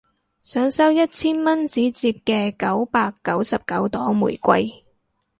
想收一千蚊紙摺嘅九百九十九朵玫瑰